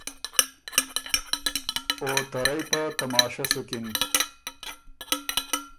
او ته رئ په تماشۀ سُکِن۔